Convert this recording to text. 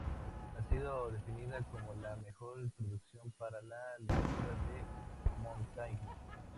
Ha sido definida como la mejor introducción para la lectura de Montaigne.